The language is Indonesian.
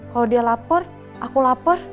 kalau dia lapar aku lapar